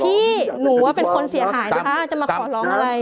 พี่หนูว่าเป็นคนเสียหายถ้าจะมาขอร้องอะไร